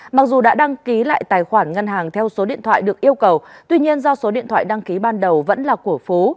mặc dù đã đăng ký lại tài khoản ngân hàng theo số điện thoại được yêu cầu tuy nhiên do số điện thoại đăng ký ban đầu vẫn là của phú